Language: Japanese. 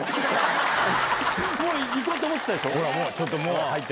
もう行こうと思ってたでしょ？